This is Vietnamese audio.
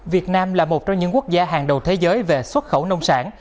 việt nam là một trong những quốc gia hàng đầu thế giới về xuất khẩu nông sản